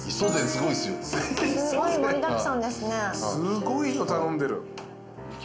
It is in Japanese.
すごいの頼んでる。